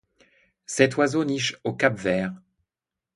Cet oiseau niche au Cap-Vert.